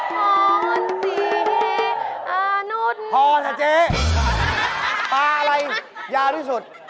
พอมันสีให้อนุญาพอสะเจ๊ปลาอะไรยาวที่สุด